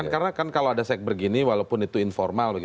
karena kan kalau ada cekber gini walaupun itu informal